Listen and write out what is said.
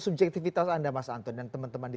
subjektivitas anda mas anton dan teman teman di